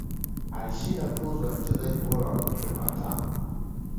Alishinda tuzo ya mchezaji bora wa dunia mara tano